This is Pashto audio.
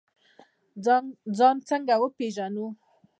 ځان څنګه وپیژنو؟